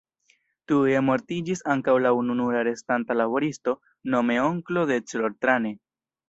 Tuje mortiĝis ankaŭ la ununura restanta laboristo, nome onklo de Coltrane.